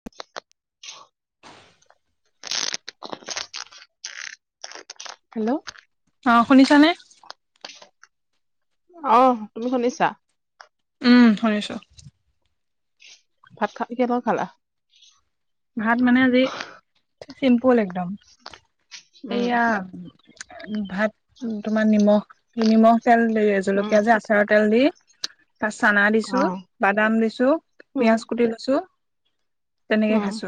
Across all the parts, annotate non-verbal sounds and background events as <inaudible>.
<unintelligible> Hello. অঁ, শুনিছানে? অহ। তুমি শুনিছা? উম শুনিছোঁ। ভাত খা কিহৰ লগত খালা? ভাত মানে আজি চিম্পুল একদম, উম এইয়া এ ভাত তোমাৰ নিমখ নিমখ তেল এই উম জলকীয়া যে আচাৰত তেল দি তাত চানা অ দিছোঁ বাদাম দিছোঁ উম পিয়াঁজ কুটি লৈছোঁ তেনেকে উম খাইছো।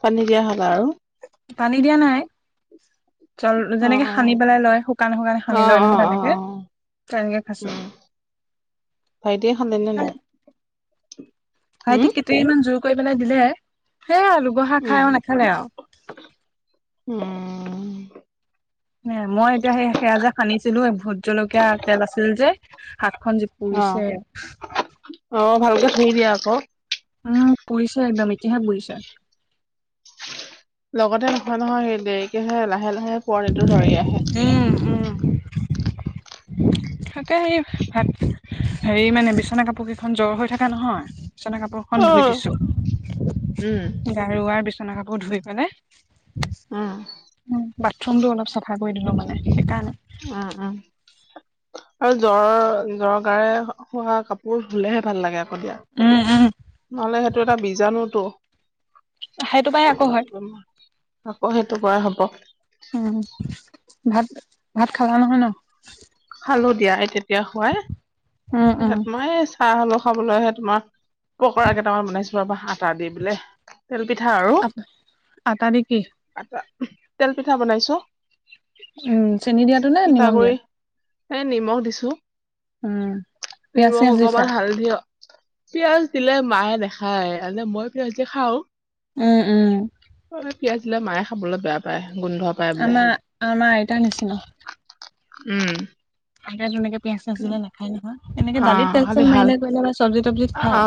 পানী দিয়া হ'ল আৰু? পানী দিয়া নাই। জল অ যেনেকে অ সানি পেলাই লয় শুকানে শুকানে সানি অ লয় অ নহয় অ তেনেকে অ তেনেকে খাইছো। উম ভাইটিয়ে খালে নে নাই? উম ভাইটিক কেটেৰিমান জোৰ কৰি পেলাই দিলে। সেয়া দুগৰ্হা উম খাই আৱ নেখালে আৱ। উম। নে মই এতিয়া সেই সেয়া যে খান্দিছিলো এ ভোট জলকীয়া তেল আছিল যে হাতখন অঁ, পুৰিছে অঁ ভালকে ধুই দিয়া আক। উম পুৰিছে একদম এতিয়াহে পুৰিছে। লগতে নহয় নহয় হেৰী দেৰিকেহে লাহে লাহে পোৱণীটো ধৰি আহে। উম উম <unintelligible> তাকে হেৰী ভাত হেৰী মানে বিচনা কাপোৰ কেইখন জ্বৰ হৈ থাকা নহয়‌, বিচনা কাপোৰ খন অ ধুই দিছোঁ। উম গাৰু আৰু বিচনা কাপোৰ ধুই পেলাই উম। বাথৰুম টো অলপ চাফা কৰি দিলোঁ মানে সেইকাৰণে। উম উম। আৰু জ্বৰৰ জ্বৰ গাৰে হ হোৱা কাপোৰ ধুলেহে ভাল লাগে। দিয়া। উম উম নহ'লে সেইটো এটা বীজাণু টো। সেইটো পাই আকৌ হয় আকৌনো, আকৌ সেইটো পৰাই হ'ব। উম, ভাত ভাত খালা নহয় ন? খালো দিয়া এই তেতিয়া খোৱাই। উম উম তোমাৰ এই চাহৰ লগত খাবলৈ সে তোমাৰ পকৰা কেইটামান বনাইছো। বা আটা দি বোলে তেল পিঠা আৰু। আ আটা নেকি? আটা উমহ, তেল পিঠা বনাইছো। উম, চেনি দিয়াটো নে নিমখ দিয়াত এ নিমখ দিছোঁ। উম। পিয়াজ নিমখ চিয়াজ দিছা অকমান হালধি পিঁয়াজ দিলে মায়ে নেখায়, এনে মই পিঁয়াজ দিলে খাওঁ। উম উম। ঐ পিঁয়াজ দিলে মায়ে খাবলে বেয়া পায়। গোন্ধ পায় বোলে আমাৰ, আমাৰ আইতাৰ নিচিনা। উম। আইতাই তেনেকে পিয়াঁজ ছিয়াজ দিলে নেখায় নহয়। এনেকে অ দালিত তেল খালি চেল ভাল মাৰিলে কৰিলে বা চব্জি তব্জিত অ খায়।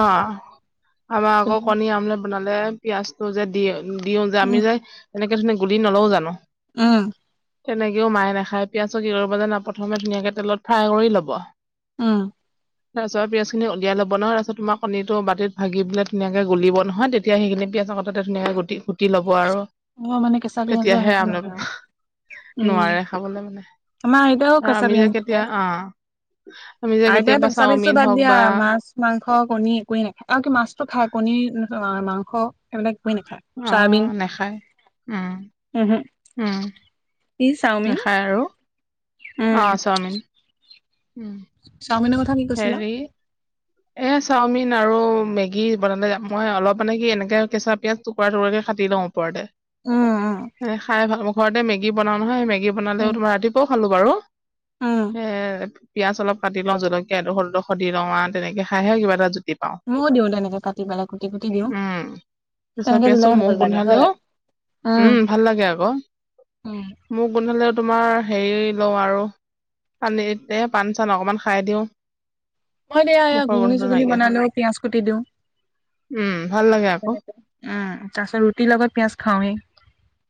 আমাৰ আকৌ উম, কণী আমলেট বনালে পিঁয়াজটো যে দিয়ে দিওঁ যে আমি যে এনেকে ধৰণে গুলি নলওঁ জানো? উম, তেনেকেও মায়ে নাখাই পিয়াজ কি কৰিব জানা প্ৰথমে ধুনীয়াকে তেলত ফ্ৰাই কৰি ল'ব। উম, তাৰপিছত পিয়াজখিনি উলিয়াই লব নহয়, তাৰপিছত তোমাৰ কণিতো বাতিত ভাগি পেলে ধুনীয়াকে গুলিব নহয় তেতিয়া সেইখিনি পিঁয়াজৰ সৈতে ধুনীয়াকে কুটি - কুটি ল'ব আৰু। অ, মানে কেঁচা পিয়াজৰ তেতিয়াহে সেইটো আমলে নহয় আৰু। উম, নোৱাৰে খাবলৈ মানে আমাৰ আইতাও আৰু আমি কেঁচা যে পিঁয়াজ কেতিয়া নাখায়। অ'। <unintelligible> আইতা কেতিয়াবা কেঁচা পিঁয়াজটো চাওমিন বাদ হওক দিয়া বা মাছ মাংস, কণী, একোৱেই নাখায় অ, কি মাছতো খাই কণী, মাংস এইবিলাক অ, নাখায় উম, উম, হুম। উম, কি চাওমিন। নাখায় আৰু অ, উম, চাওমিন উম, চাওমিনৰ কথা কি কৈছিলা? হেৰি এ চাওমিন আৰু মেগী বনালে যাম মই অলপ মানে কি এনেকে কেঁচা পিয়াঁজ টুকুৰা - টুকুৰাকে কাটি লও ওপৰতে। উম, খাই ভাল ঘৰতে মেগী বনাও নহয়, মেগী বনালে উম, তোমাৰ ৰাতিপুৱাও খালো বাৰু। উম, এ পিয়াজ অলপ কাটি লও, জলকীয়া সৰু ডোখৰ দি লও। তেনেকে খাইহে কিবা এটা জুতি ময়ো দিওঁ তেনেকে কাটি পেলাই কুটি কুটি দিওঁ। উম, তথাপি তেনেকে আছো দিলেহে মুখ ভাল লাগে গোন্ধালেও হয়। উম, ভাল লাগে আকৌ। উম। মোক গোন্ধালেও তোমাৰ হেৰি লও আৰু পানীতে পাণ-চান অকণমান খাই দিও। মই দিয়া এয়া ঘুগুনি চুগুনি নাইকিয়া হয় বনালোও পিয়য়াজ কাটি দিও। উম ভাল লাগে আকৌ উম, তাৰ পাছত ৰুটিৰ লগত পিয়াঁজ খাওৱেই।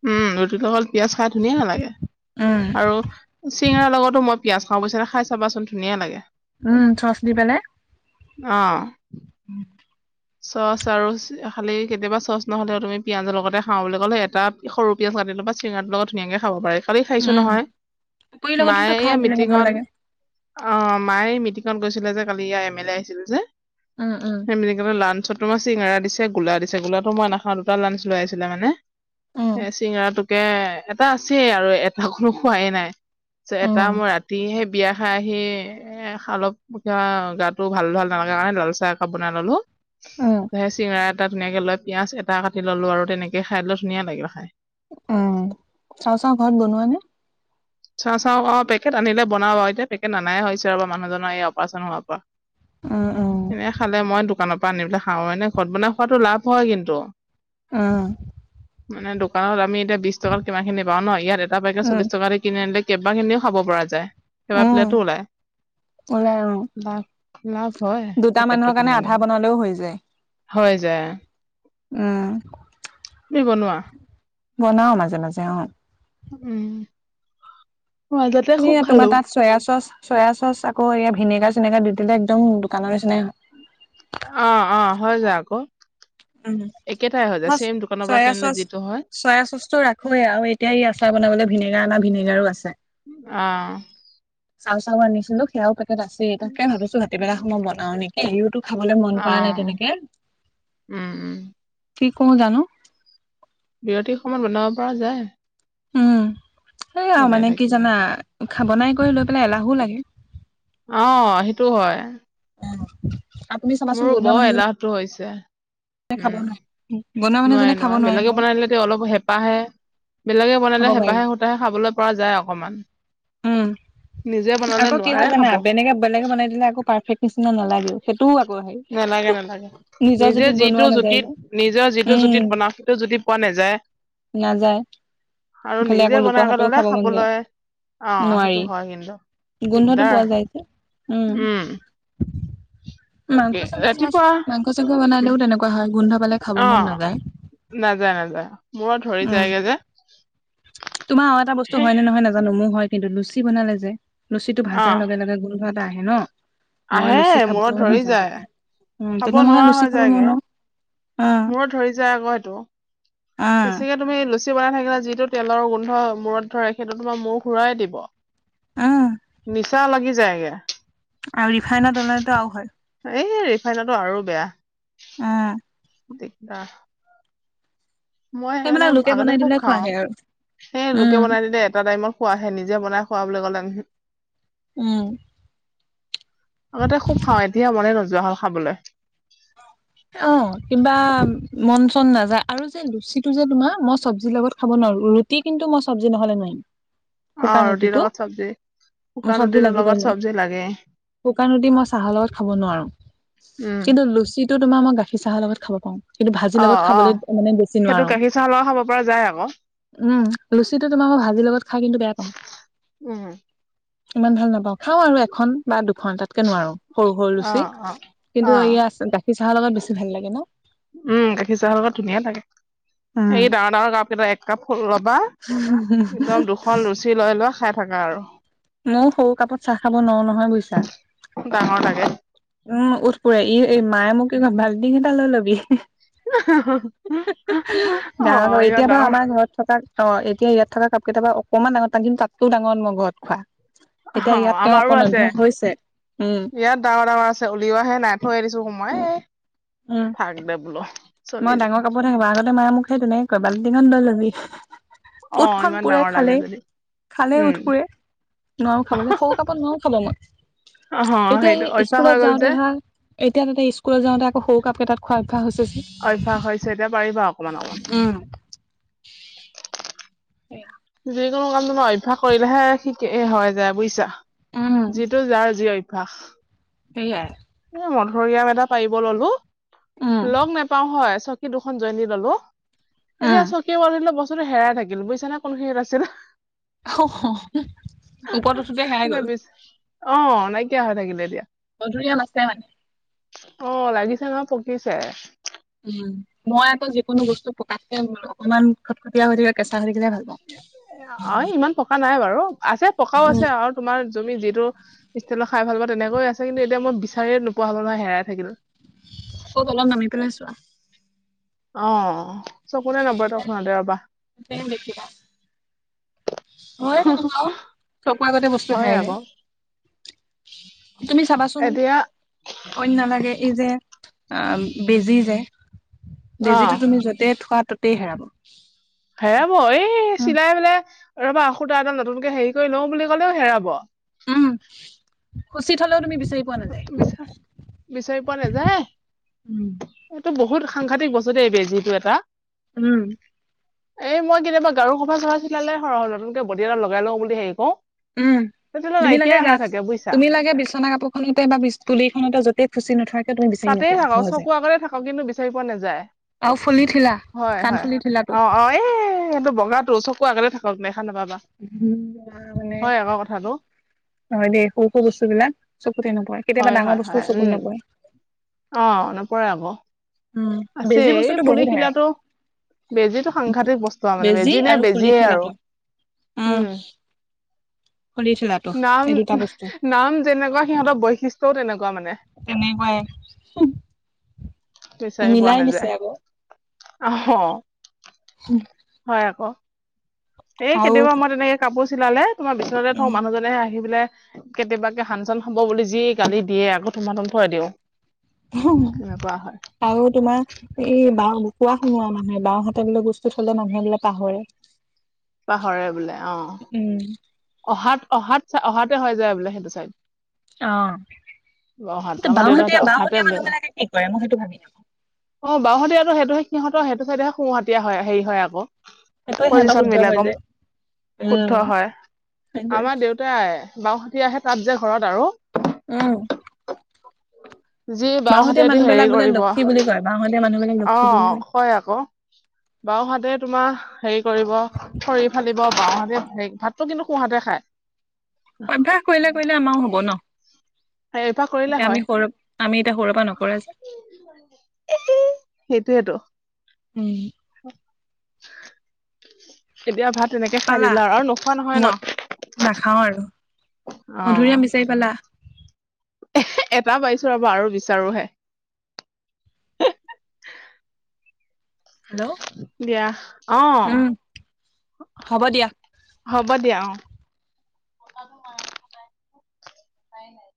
উম, ৰুটিলগত পিয়য়াজ খাই ধুনীয়া নালাগে উম আৰু চিঙৰাৰ লগতো মই পিয়াঁজ খাও বৈচছ নে খাই চাবাচোন ধুনীয়া লাগে। উম, চচ দি পেলাই। অ', <unintelligible> চচ আৰু খালি কেতিয়াবা চচ নহ'লেও তুমি পিঁয়াজৰ লগতে খাও বুলি ক'লে এটা সৰু পিঁয়াজ কাটি লবা, চিঙৰাটো লগত ধুনীয়াকে খাব পাৰি। কালি খাইছো উম নহয়, পুৰি লগতোতো মায়ে খাই এইয়া তেনেকে ভাল মিটিঙত লাগে অ, মায়ে মিটিঙত গৈছিলে যে কালি ইয়াৰ এম এল এ আহিছিল যে। উম-উম। কি লাঞ্চত তোাৰ চিঙৰা দিছে গোলা দিছে গোলাটো মই নাখাও দুটা লাঞ্চ লৈ আছিলে মানে। উম এ চিঙৰাটোকে এটা আছেই আৰু এটা কোনো খোৱাইে নাই। চ এটা উম মই ৰাতি সেই বিয়া খাই আহি এ অলপ পঠা গাটো ভাল ভাল নালগা কাৰণে লাল চাহ একাপ বনাই ললো। উম চিঙৰা এটা ধুনীয়াকে লৈ পিয়াজ এটা কাটি ললো আৰু তেনেকে খাই লৈ ধুনীয়া লাগিল খাই। উম, চাও - চাও ঘৰত বনোৱা নে। চাও - চাও অ, পেকেট আনিলে বনাও এতিয়া পেকেট অননাই হৈছে আৰু মানুহজনৰ এই অপাৰচন হোৱাৰ পৰা। উম উম এনে খালে মই দোকানৰ পৰা আনি পেলাই খাও এনে ঘৰত বনাই খোৱাতটো লাভ হয় কিন্তু। অ', মানে দোকানত আমি এতিয়া বিশ টকাৰ কিা খিনি পাও ন ইয়াত এটা পাইকে উম চল্লি টকাে কিনি আনিলে কেইবাখিনিও খাব পৰা যায় কেইবা উম প্লেটো ওলায়। ওলাই উম লাভ - লাভ হয় দুটা পেকেটটো মানুহৰ কিনি কাৰণে আধা আনিলে বনালেও হৈ যায় হৈ যায়। উম, তুমি বনোৱা। বনাও মাজে মাজে অঁ। উম। মাজতে খুব এ খালো। তোমাৰ তাত চয়া চচ চয়া চচ আকৌ এয়া ভিনেগাৰ চিনেগাৰ দি দিলে একদম দোকানৰ নিচিনা। অ অ হৈ যায় আকৌ। উ একেটাই হৈ যায় মই ছেম দোকানৰ পৰা চয়া কিনিলে চচ যিটো হয় চয়া চচটো ৰাখ। হয় আৰু এতিয়া ই আচাৰ বনাবলৈ ভিনেগাৰ অনা ভিনেগাৰো আছে। অঁ। চাউ চাউ আনিছিলো সেয়াও পেকেট আছে তাকে ভাবিছোঁ হাততিবেলাক সময় বনাও নেকি? কেওতো খাবলৈ মন কৰা নাই অ', তেনেকে। উম উম। কি কওঁ জানো। বিৰতিৰ সময়ত বনাব পৰা যায়। উম সেইয়া এনে মানে কি থাকিলে। জানা বনাই কৰি লৈ পেলাই এলাহো লাগে। অ সেইটো হয়। উম। মোৰ বৰ এলাহতটো হৈছে। উম বনোৱা মানুহজনে নোৱাৰে খাব নোৱাৰে বেলেগে নহয় বনাইদিলে? অলপ হেঁপাহে বেলেগে খাব বনালে পাৰি হেঁপাহে সূতাহে খাবলৈ পৰা যায় অকণমান। উম আকৌ কি হয় জানা খাব। বেলেগে বেলেগে বনাই দিলে আকৌ পাৰফেক্ট নিচিনা নালাগেও? সেইটোও আকৌ হেৰি নালাগে নালাগে নিজৰ নিজে জুতিত যিটো বনোৱা নাযায় জুতিত যে নিজৰ যিটো উম জুতিত বনাওঁ সেইটো জুতিত। পোৱা নাযায়। নাযায়। আৰু ইফালে আকৌ নিজে লোকৰ বনাইক হাতৰো ল'লে খাব মন যায় খাবলৈ। অ নোৱাৰি সেইটো হয় কিন্তু গোন্ধটো পোৱা দিগদাৰ যায় যে উম। মাংস তাকে চাগোন ৰাতিপুৱা মাংস চাংস বনালেও তেনেকুৱা হয় গোন্ধ পালে খাব মন অ' নাযায়। নাযায় নাযায়, মোৰত ধৰি উম যায়গে যে। তোমাৰ আৰু এটা বস্তু হয় নে নহয় নাজানো মোৰ হয় কিন্তু লুচি বনালে যে। লুচিটো ভাজাৰ অ' লগে লগে গোন্ধ এটা আহে ন! মই আহে লুচি মূৰত খাবলৈ ন ধৰি যাওঁ যায় তেতিয়া উ খাব তেনে মইে লুচি খাব নোৱাৰো। অ মোৰো ধৰি যায় আকৌ সেইটো। অ বেছিকে তুমি লুচি বনাই থাকিলে। যিটো তেলৰ গোন্ধ মূৰত ধৰে, সেইটো তোমাৰ মূৰ ঘূৰাই দিব। উম নিচা লাগি যায়গে। আৰু ৰিফাইনৰ তেলেতো আৰু হয়। এই ৰিফাইনটো আৰু বেয়া। উম। দিগদা। মই সেইকাৰণে সেইবিলাক লোকে আগতে বনাই খুব দিলে খাও। খোৱাহে আৰু সেই লোকে উম বনাই দিলে এটা টাইমত। খোৱাহে নিজে বনাই খোৱা বুলি ক'লে উহু। উম। আগতে খুব খাওঁ এতিয়ায়া মনে নোযোৱা হ'ল খাবলৈ। অ কিবা মন চন নাযায় আৰু যে লুচিটো যে তোমাৰ মই চব্জিৰ লগত খাব নোৱাৰো। কি কিন্তু মই চবজি নহ'লে নোবাৰিম। অ ৰুটিৰ লগত চব্জি। মোক শুকান চবজি ৰুটিৰ লাগিব লগত মোৰ চব্জি লাগে শুকান ৰুটি মই চাহৰ লগত খাব নোৱাৰো। উম। টো তোমাৰ মই গাখীৰ চাহৰ লগত খাব পাওঁ। কিন্তু অ ভাজিৰ লগত অ খাবলৈ মানে বেছি নোৱাৰোঁ। যাই আকৌ। উম লুচিটো তোমাৰ মই ভাজিৰ লগত খাই কিন্তু বেয়া পাওঁ। উম। ইমান ভাল নাপাওঁ খাওঁ আৰু এখন বা দুখন তাত। কে নোৱাৰো সৰু সৰু অ লুচি অ কিন্তু অ এয়া আছে গা উম গাখীৰ চাহৰ লগত ধুনীয়া লাগে। উম এই ডাঙৰ ডাঙৰ কাপ কেইটা এক কাপ ফুল ল'বা, একদম দুখন লুচি লুচি লৈ লৈ খাই থাকা আৰু। মও সৰু কাপত চাহ খাব নোৱাৰো নহয় বুইছা। ডাঙৰ লাগে। উম ওঁঠ পুৰে। ই এই মায়ে মোক কি কয় বাল্টিং এটা লৈ লবি। <unintelligible> <unintelligible> অ <unintelligible> ইমান এতিয়া বাৰু ডাঙৰ আমাৰ ঘৰত থকা অ এতিয়া ইয়াত থকা কাপকেইটা বা অকমান ডাঙৰ, তাত কিন্তু তাতকেও ডাঙৰ মগত খোৱা অ এতিয়া ইয়াত তেও আমাৰো অকণ আছে অভ্যাস হৈছে। উম ইয়াত ডাঙৰ ডাঙৰ আছে, উলিওৱাহে নাই। থৈ দিছো উম সোমাৱাই। এ উম <unintelligible> বোলো। চলি মই যাও ডাঙৰ কাপতহে খাব, আগতে মায়ে মোক সেই তেনেকে কয় বাল্টিঙত লৈ ল'বি। <unintelligible> অ ওঁঠখন ইমান পুৰে ডাঙৰ লাগে খালেই, যদি খালেই উম ওঁঠ পুৰে। নোৱাৰো খাবলে। সৰু কাপত নোৱাৰো খাব অ মই। এতিয়া সেইটো এই অভ্যাস হৈ স্কুলত গ'ল যে যাওঁতে ধৰা এতিয়া তাতে স্কুলত যাওঁতে আকৌ সৰু কাপ কেইটাত খোৱা অভ্যাস হৈছে। যে অভ্যাস হৈছে এতিয়া পাৰিবা অকমান অকমান। উম <unintelligible> যিকোনো কাম তোমাৰ অভ্যাস কৰিলেহে শিক হয় যায় বুইছা। উম যিটো যাৰ যি অভ ভ্যাস। সেয়াই। এ মধুৰিআম এটা পাৰিব ল'লো। উম লগ নেপাও হয় চ চকী দুখন জইন দি ল'লো। উম এতিয়া চকী <unintelligible> বস্তুটো হেৰাই থাকিল বুইছা নে কোনখিনিত আছিল। <unintelligible> ওপৰত উঠোতে হেৰাই গ'ল। অ নাইকিয়া হৈ থাকিল এতিয়া। মধুৰিআম আছে মানে। অ লাগিছে ন পকিছে। উম মই আকৌ যিকোনো বস্তু পকাতকে অকমান খটকটীয়া হৈ থাকা কেঁচা হৈ থাকিলে ভাল পাওঁ। অ ইমান পকা নাই বাৰু। আছে পকাও আছে আৰু তোমাৰ তুমি যিটো ষ্টাইলৰ খাই ভাল পাৱা তেনেকৈ আছে। কিন্তু এতিয়া মই বিচাৰিয়ে নোপোৱা হ'লো নহয় হেৰাই থাকিল। অ অলপ নামি পেলাই চোৱা। অ চকুতে নপৰে তৎক্ষণাতে ৰ'বা। হ'য়েই তেনেকুৱা অ, চকুৰ আগতে বস্তু হয় হেৰাই যায়। আকৌ তুমি চাবাচোন এতিয়া অইন নালাগে এই যে আ বেজি যে অ বেজিটো তুমি য য'তে থোৱা ত'তেই হেৰাব। হেৰাব এই উম চিলাই পেলাই ৰ'বা সূতা এডাল নতুনকে হেৰি কৰি লওঁ বুলি ক'লেও হেৰাব। উম খুচি থলেও তুমি বিচাৰি পোৱা নাযায় বিচা বিচাৰি পোৱা নাযায়। উম এইটো বহুত সাংঘাতিক বস্তু দেই বেজিটো এটা। উম। এই মই কেতিয়াবা গাৰুৰ কভাৰ-চভাৰ চিলালে <unintelligible> নতুনকে বডি এটা লগাই লওঁ বুলি হেৰি কওঁ উম তুমি লাগে গাভ বুজিছা তুমি লাগে বিচনা কাপোৰখনতে বা বিচ তুলিখনতে য'তে খুচি নোথোৱা কিয় তুমি বিচাৰি তাতেই নোপোৱা থাকক সহজে। চকুৰ আগতে থাকক কিন্তু বিচাৰি পোৱা নাযায় আৰু ফুলিৰ থিলা, কাণফুলিৰ থিলাটো। এ সেইটো বগাটো চকু আগতে থাকক দেখা নাপাবা। তোমাৰ মানে হয় আকৌ কথাটো হয় দেই সৰু সৰু বস্তুবিলাক চকুতেই নপৰে। হয় কেতিয়াবা হয় ডাঙৰ হয় বস্তুও উম চকুত নপৰে। অ নপৰে আকৌ। বেজি আছেই এই বস্তুটো ফুলিৰ বহুত হেৰা শিলাটো বেজীটো সাংঘাতিক বস্তু মানে বেজি নাই আৰু ফুলি বেজিয়ে আৰু ঠেলাটো উম ফুলি ঠেলাটো নাম এই দুটা বস্তু নাম যেনেকুৱা সিহঁতৰ বৈশিষ্ট্যও তেনেকুৱা মানে তেনেকুৱাই বিচাৰি পোৱা মিলাই দিছে নাযায় আকৌ আহ হয় আক এই আৰু কেতিয়াবা মই তেনেকে কাপোৰ চিলালে তোমাৰ বিচনাতে থওঁ উম মানুহ জনে আহি পেলায় কেতিয়াবাকে হানচন হব বুলি যি গালি দিয়ে আকৌ থুমাথুম থৈ দিওঁ উ <unintelligible> এনেকুৱা হয় আও তোমাৰ এই বাওঁ কোৱা সোনোৱাও মানুহে বাওঁৰ হাতে বোলে বস্তু থলে মানুহে বোলো পাহৰে <unintelligible> পাহৰে বোলে অ উম অহাত অহাত চ অহাতে হৈ যায় বোলে সেইটো চাইড অ অহাত আমাৰ দেউতাহঁতে বাওঁহতীয়া অহাতে বওঁহতীয়া বুলি মানুহ কয় বিলাকে কি কৰে মই সেইটো ভাবি থাকো অ বাওঁহতিয়াতো সেইটোহে সিহঁতৰ সেইটো চাইডেহে সোঁ হতিয়া হয় হেৰি হয় আকৌ সেইটোৱে সিহঁতৰ পজিচন শুদ্ধ হয় বিলাকো যে উম শুদ্ধ হয় সেইটোৱে আমাৰ দেউতাই বাওঁহতিয়া হে তাত যে ঘৰত আৰু উম যি বাওঁ বাঁওহতিয়া হাতেদি হেৰি মানুহবিলাক বোলে কৰিব লক্ষী বুলি কয় বাঁওহতিয়া মানুহবিলাক অ লক্ষী বুলি কয় কয় আকৌ বাওঁ হাতে তোমাৰ হেৰি কৰিব খৰি ফালিব বাওঁতে ভাতটো কিন্তু সোঁ হাতে অভ্যাস কৰিলে কৰিলে আমাৰো হ'ব ন অভ্যাস কৰি এতিয়া আমি সৰু আমি এতিয়া সৰুৰে পৰা নকৰা যে এই সেইটোৱেটো উম এতিয়া ভাত তেনেকে খাই দিলা আৰু আৰু নোখোৱা নহয় ন? নাখাওঁ আৰু অ মধুৰিয়াম বিচাৰি পালা? এটা পাইছোঁ ৰবা আৰু বিচাৰোঁ হে হেল্ল' দিয়া অ উম হ'ব দিয়া হ'ব দিয়া অ খোৱাই নাই